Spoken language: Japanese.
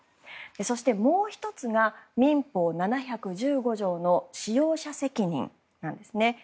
そして、もう１つが民法７１５条の使用者責任なんですね。